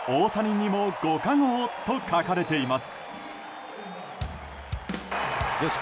大谷にもご加護をと書かれています。